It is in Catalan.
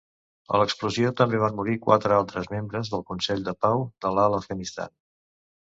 A l'explosió, també van morir quatre altres membres del Consell de Pau de l'Alt Afganistan.